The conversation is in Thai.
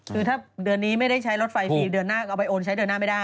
คือถ้าเดือนนี้ไม่ได้ใช้รถไฟฟรีเดือนหน้าก็เอาไปโอนใช้เดือนหน้าไม่ได้